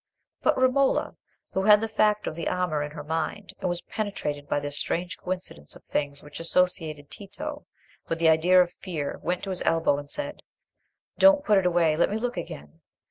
But Romola, who had the fact of the armour in her mind, and was penetrated by this strange coincidence of things which associated Tito with the idea of fear, went to his elbow and said— "Don't put it away; let me look again.